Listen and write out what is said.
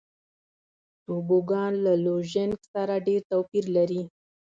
توبوګان له لوژینګ سره ډېر توپیر لري.